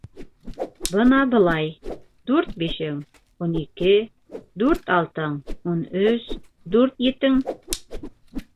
Бына былай: дүрт бишең —ун ике, дүрт алтың —ун өс, дүрт етең...